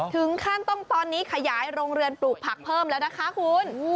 ถึงขั้นต้องตอนนี้ขยายโรงเรือนปลูกผักเพิ่มแล้วนะคะคุณ